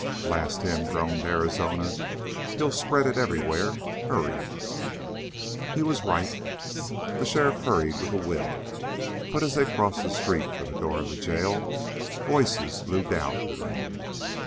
"Blast him!" groaned Arizona. "He'll spread it everywhere. Hurry!" He was right. The sheriff hurried with a will, but, as they crossed the street for the door of the jail, voices blew down to them.